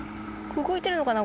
動いてるのかな？